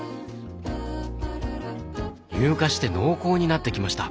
乳化して濃厚になってきました。